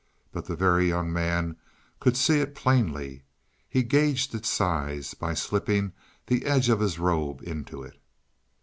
But the Very Young Man could see it plainly; he gauged its size by slipping the edge of his robe into it.